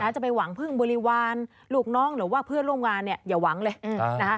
จะไปหวังพึ่งบริวารลูกน้องหรือว่าเพื่อนร่วมงานเนี่ยอย่าหวังเลย